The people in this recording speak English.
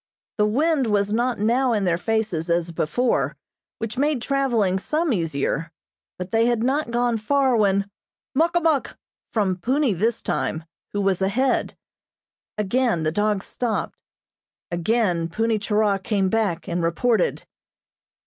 The wind was not now in their faces as before, which made traveling some easier, but they had not gone far when: "Muk a muk!" from Punni this time, who was ahead. Again the dogs stopped. Again Punni Churah came back, and reported.